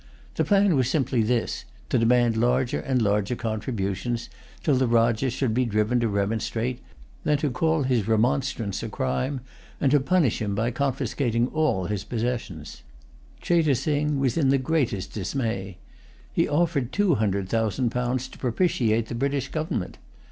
The plan was simply this, to demand larger and larger contributions till the Rajah should be driven to remonstrate, then to call his remonstrance a crime, and to punish him by confiscating all his possessions. Cheyte Sing was in the greatest dismay. He offered two hundred thousand pounds to propitiate the British government.